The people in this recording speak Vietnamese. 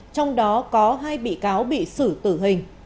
trong đó có hai bị cáo bị xử tử hình